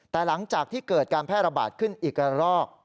แต่หลังจากที่เกิดการแพร่ระบาดขึ้นอีกละรอก